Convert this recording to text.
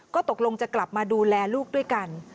ก็ตกลงจะกลับมาดูแลลูกด้วยกัน